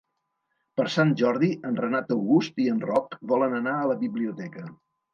Per Sant Jordi en Renat August i en Roc volen anar a la biblioteca.